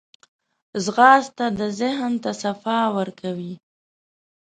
ځغاسته د ذهن ته صفا ورکوي